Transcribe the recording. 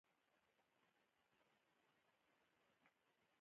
د ننګرهار د مالټو باغونه تل شنه وي.